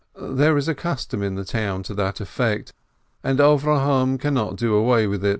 There is a custom in the town to that effect, and Avrohom cannot do away with it.